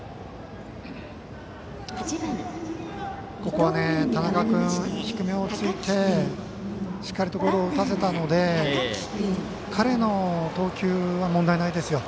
ここは田中君低めを打たせてしっかりと打たせたので彼の投球は問題ないですよ。